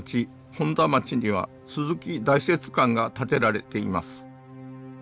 本多町には鈴木大拙館が建てられています。